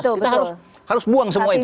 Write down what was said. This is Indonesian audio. kita harus buang semua itu